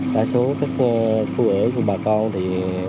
đa số các khu ở của bà con thì